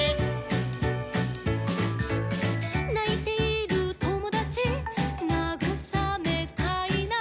「ないているともだちなぐさめたいな」